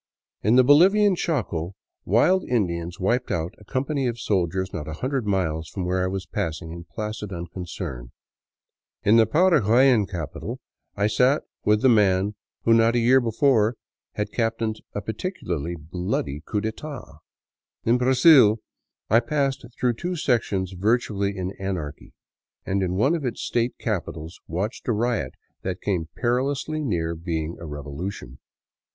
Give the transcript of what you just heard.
In the Bolivian Chaco wild Indians wiped out a company of soldiers not a hundred miles from where I was passing in placid unconcern. In the Paraguayan capital I sat with the man who not a year before had captained a particularly bloody coup d'etat. In Brazil I passed through two sections virtually in anarchy, and in one of its state capi tals watched a riot that came perilously near being a revolution.